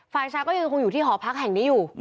ฝ่ายชายก็ยังคงอยู่ที่หอพักแห่งนี้อยู่